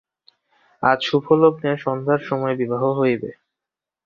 আজ শুভলগ্নে সন্ধ্যার সময়ে বিবাহ হইবে।